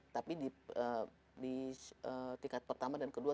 tapi di tingkat pertama dan kedua